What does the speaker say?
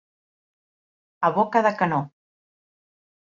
A boca de canó.